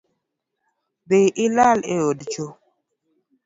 Dhi ila e od cho